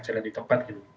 jelas ditempat gitu